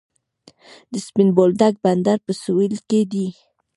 د سپین بولدک بندر په سویل کې دی